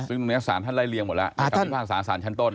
ซึ่งตรงนี้สารท่านไล่เรียงหมดแล้วทางสารชั้นต้น